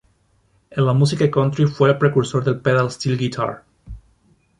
En la música country fue el precursor del pedal steel guitar.